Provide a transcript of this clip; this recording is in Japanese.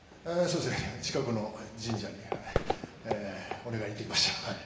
近くの神社にお願いに行ってきました。